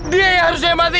dia yang harus saya mati